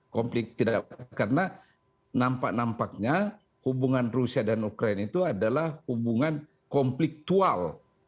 karena nampak nampaknya hubungan rusia dan ukraine itu adalah hubungan konfliktual